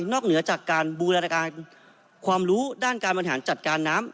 เหนือจากการบูรณาการความรู้ด้านการบริหารจัดการน้ำ